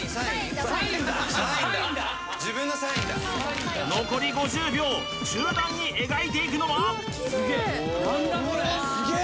サインだ自分のサインだ残り５０秒中段に描いていくのはうわすげえ！